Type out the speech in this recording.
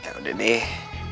ya udah deh